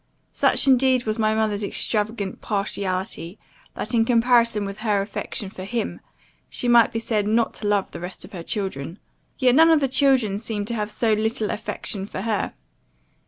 Such indeed was my mother's extravagant partiality, that, in comparison with her affection for him, she might be said not to love the rest of her children. Yet none of the children seemed to have so little affection for her.